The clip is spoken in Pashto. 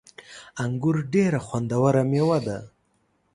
انګور ډیره خوندوره میوه ده